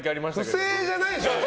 不正じゃないでしょ。